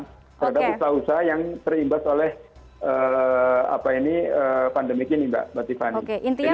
terhadap usaha usaha yang terimbas oleh pandemik ini mbak tiffany